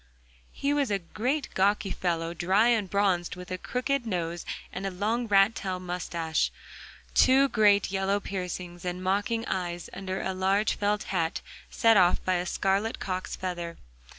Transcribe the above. He was a great gawky fellow, dry and bronzed, with a crooked nose, a long rat tail moustache, two great yellow piercing and mocking eyes, under a large felt hat set off by a scarlet cock's feather.